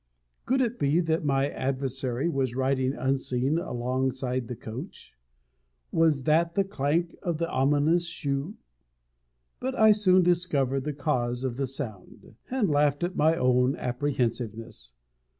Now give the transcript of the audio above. Could it be that my adversary was riding unseen alongside of the coach? Was that the clank of the ominous shoe? But I soon discovered the cause of the sound, and laughed at my own apprehensiveness.